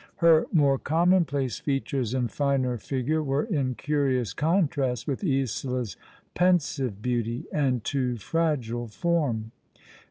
Her more commonplace features and finer figure were in curious contrast with Isola's pensive beauty and too fragile form.